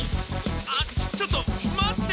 あっちょっと待って！